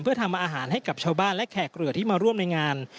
เพื่อทำอาหารให้กับชาวบ้านและแขกเรือที่มาร่วมในงาน